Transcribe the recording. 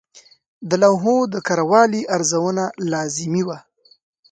د لوحو د کره والي ارزونه لازمي وه.